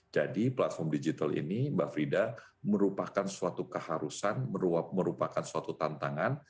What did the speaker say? jadi platform digital ini mbak frida merupakan suatu keharusan merupakan suatu tantangan